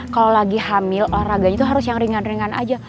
kalau lagi hamil olahraganya itu harus yang ringan ringan aja